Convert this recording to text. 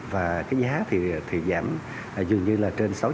và cái giá thì giảm dường như là trên sáu mươi